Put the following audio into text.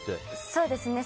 そうですね。